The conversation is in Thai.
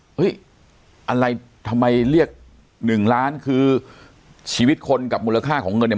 เฮ้ยอะไรทำไมเรียกหนึ่งล้านคือชีวิตคนกับมูลค่าของเงินเนี่ย